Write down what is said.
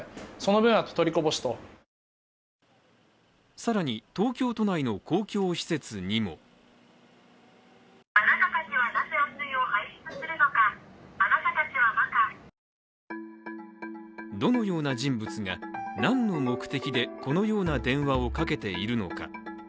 更に東京都内の公共施設にもどのような人物が何の目的でこのような電話をかけているのか。